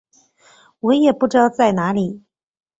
我也不知道在哪里